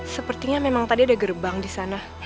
sepertinya memang tadi ada gerbang disana